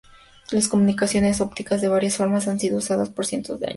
Las comunicaciones ópticas, de varias formas, han sido usadas por cientos de años.